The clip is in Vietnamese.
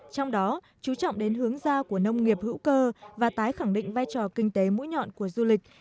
trong đó chú trọng đến hướng gia của nông nghiệp hữu cơ và tái khẳng định vai trò kinh tế mũi nhọn của du lịch